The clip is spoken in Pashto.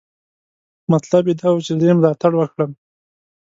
مطلب یې دا و چې زه یې ملاتړ وکړم.